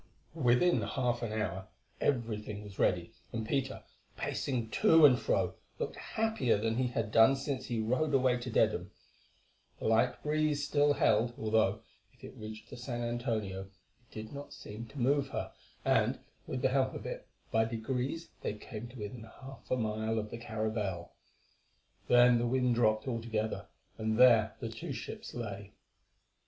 Within half an hour everything was ready, and Peter, pacing to and fro, looked happier than he had done since he rode away to Dedham. The light breeze still held, although, if it reached the San Antonio, it did not seem to move her, and, with the help of it, by degrees they came to within half a mile of the caravel. Then the wind dropped altogether, and there the two ships lay.